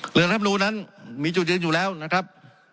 เหลือท่านผู้รู้นั้นมีจุดยืนอยู่แล้วนะครับ